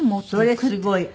それすごい。